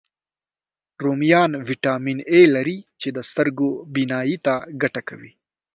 رومیان ویټامین A لري، چې د سترګو بینایي ته ګټه کوي